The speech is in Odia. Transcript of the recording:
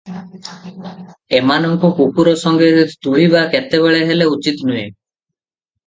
ଏମାନଙ୍କୁ କୁକୁର ସଙ୍ଗେ ତୁଳିବା କେତେବେଳେ ହେଲେ ଉଚିତ୍ ନୁହେଁ ।